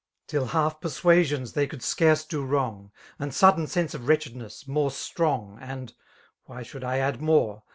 02 84 Till JiiaJf persuasions they ccmld scarce do wrongs And sudden sense of wretchedness, more sferoDg» And — why should I add more